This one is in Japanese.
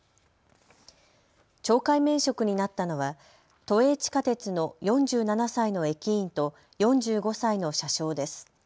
懲戒免職になったのは都営地下鉄の４７歳の駅員と４５歳の車掌です。